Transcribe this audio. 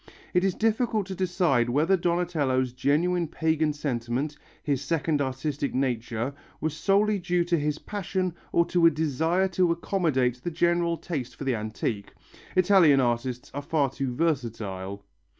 It is difficult to decide whether Donatello's genuine pagan sentiment, his second artistic nature, was solely due to his passion or to a desire to accommodate the general taste for the antique; Italian artists are far too versatile.